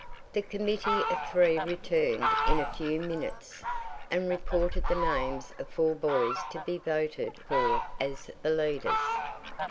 The committee of three returned in a few minutes, and reported the names of four boys to be voted for as the leaders.